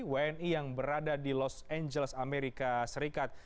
wni yang berada di los angeles amerika serikat